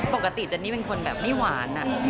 ปกติเจนนี่เป็นคนแบบไม่หวาน